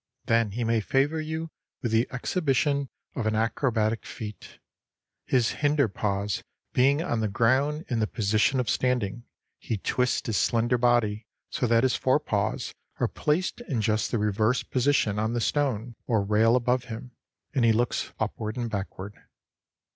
Then he may favor you with the exhibition of an acrobatic feat: his hinder paws being on the ground in the position of standing, he twists his slender body so that his forepaws are placed in just the reverse position on the stone or rail above him, and he looks upward and backward.